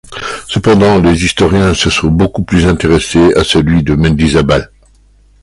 Cependant les historiens se sont beaucoup plus intéressés à celui de Mendizábal.